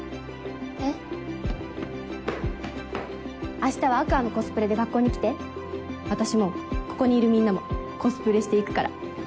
明日はアクアのコスプレで学校に来て私もここにいるみんなもコスプレしてえっ？